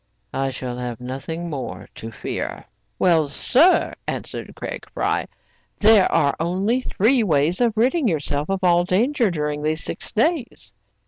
" I shall have nothing more to fear/* "Well, sir/* answered Craig Fry, "there are only three ways of ridding yourself of all danger during these six days.'